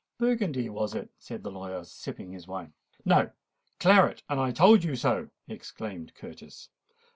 "Burgundy was it?" said the lawyer, sipping his wine. "No—claret, and I told you so," exclaimed Curtis.